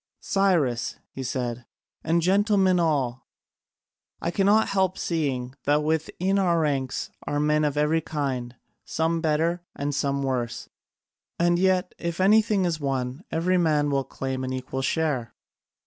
"Cyrus," he said, "and gentlemen all, I cannot help seeing that within our ranks are men of every kind, some better and some worse, and yet if anything is won every man will claim an equal share.